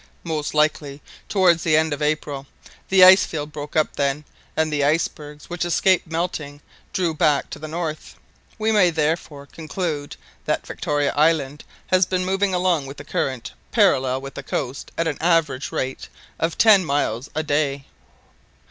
"Most likely towards the end of April; the ice field broke up then, and the icebergs which escaped melting drew back to the north. We may, therefore, conclude that Victoria Island has been moving along with the current parallel with the coast at an average rate of ten miles a day."